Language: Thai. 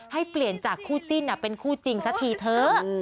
ให้เปลี่ยนจากคู่จิ้นเป็นคู่จริงสักทีเถอะ